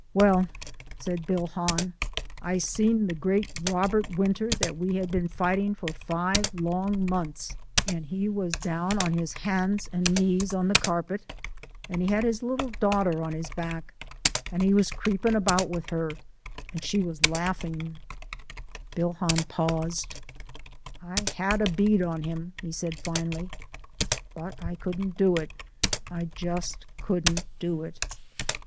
"Well," said Bill Hahn, "I seen the great Robert Winter that we had been fighting for five long months and he was down on his hands and knees on the carpet he had his little daughter on his back and he was creepin' about with her an' she was laughin'." Bill Hahn paused. "I had a bead on him," he said, "but I couldn't do it I just couldn't do it."